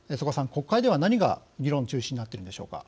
国会では、何が議論の中心になっているのでしょうか。